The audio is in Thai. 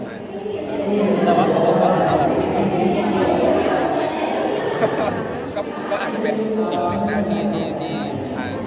แต่ว่าเขาก็ไม่รักผู้ก็อาจจะเป็นผิดหนึ่งหน้าที่ทางทุกคน